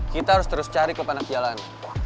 kita harus terus cari ke panas jalan